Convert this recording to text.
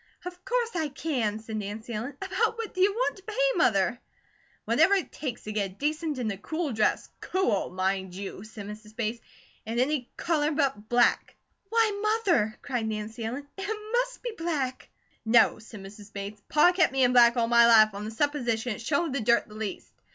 "Of course I can," said Nancy Ellen. "About what do you want to pay, Mother?" "Whatever it takes to get a decent and a cool dress; cool, mind you," said Mrs. Bates, "an' any colour but black." "Why, Mother!" cried Nancy Ellen "it must be black!" "No," said Mrs. Bates. "Pa kept me in black all my life on the supposition it showed the dirt the least.